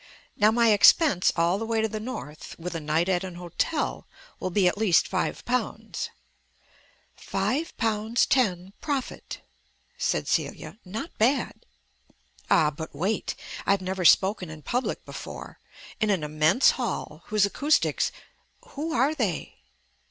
Now my expense all the way to the North, with a night at an hotel, will be at least five pounds." "Five pounds ten profit," said Celia. "Not bad." "Ah, but wait. I have never spoken in public before. In an immense hall, whose acoustics " "Who are they?"